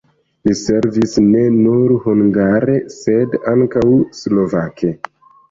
Li servis ne nur hungare, sed ankaŭ slovake.